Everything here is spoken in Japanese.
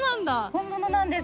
本物なんです。